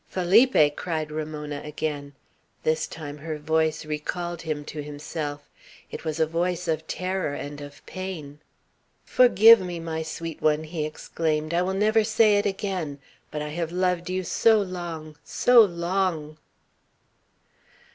"Felipe!" cried Ramona again. This time her voice recalled him to himself. It was a voice of terror and of pain. "Forgive me, my sweet one!" he exclaimed. "I will never say it again. But I have loved you so long so long!"